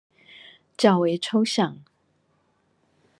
較為抽象